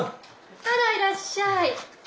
あらいらっしゃい！